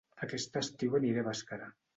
Aquest estiu aniré a Bàscara